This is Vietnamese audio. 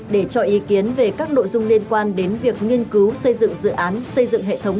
để cho ý kiến về các nội dung liên quan đến việc nghiên cứu xây dựng dự án xây dựng hệ thống